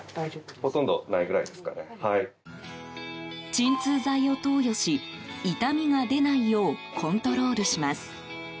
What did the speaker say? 鎮痛剤を投与し痛みが出ないようコントロールします。